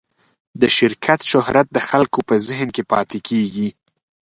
د شرکت شهرت د خلکو په ذهن کې پاتې کېږي.